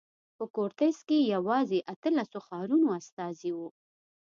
په کورتس کې یوازې اتلسو ښارونو استازي وو.